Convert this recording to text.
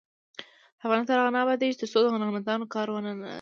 افغانستان تر هغو نه ابادیږي، ترڅو د هنرمندانو کار ونه نازول شي.